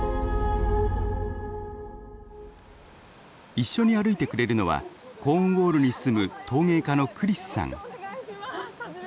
一緒に歩いてくれるのはコーンウォールに住む陶芸家のクリスさん。